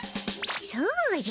そうじゃ。